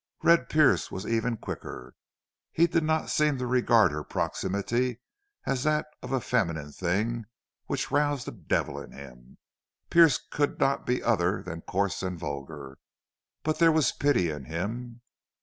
Red Pearce was even quicker. He did not seem to regard her proximity as that of a feminine thing which roused the devil in him. Pearce could not be other than coarse and vulgar, but there was pity in him.